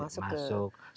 jadi ini tidak masuk ke